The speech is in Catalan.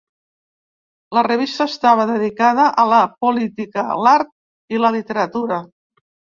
La revista estava dedicada a la política, l'art i la literatura.